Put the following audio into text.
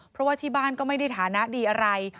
เพราะว่าที่บ้านก็ไม่ได้ฐานะดีอะไร